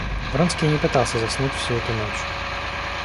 Вронский и не пытался заснуть всю эту ночь.